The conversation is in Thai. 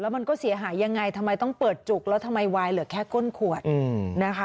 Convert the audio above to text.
มันก็เสียหายยังไงทำไมต้องเปิดจุกแล้วทำไมวายเหลือแค่ก้นขวดนะคะ